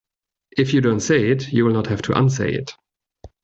If you don't say it you will not have to unsay it.